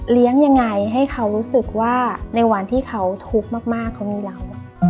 ยังไงให้เขารู้สึกว่าในวันที่เขาทุกข์มากเขามีเรา